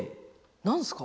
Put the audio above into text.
何ですか？